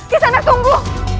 kisah anak tunggu